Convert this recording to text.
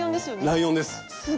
ライオンです。